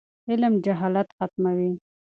علم جهالت ختموي.